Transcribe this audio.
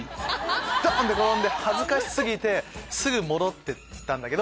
ドンって転んで恥ずかし過ぎてすぐ戻ってったんだけど。